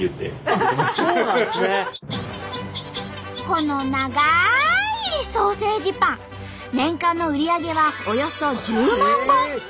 この長いソーセージパン年間の売り上げはおよそ１０万本。